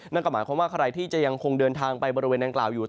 นั่นก็หมายความว่าใครที่จะยังคงเดินทางไปบริเวณนางกล่าวอยู่